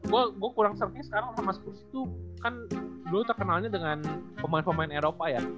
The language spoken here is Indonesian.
gue kurang serius sekarang sama spurs itu kan dulu terkenalnya dengan pemain pemain eropa ya